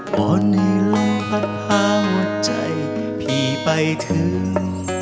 วันนี้ลมภัดหัวใจพี่ไปถึง